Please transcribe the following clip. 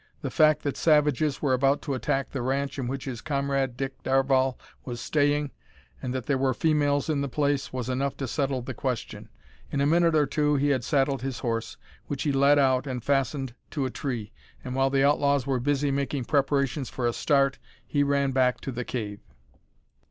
The fact that savages were about to attack the ranch in which his comrade Dick Darvall was staying, and that there were females in the place, was enough to settle the question. In a minute or two he had saddled his horse, which he led out and fastened to a tree, and, while the outlaws were busy making preparations for a start, he ran back to the cave.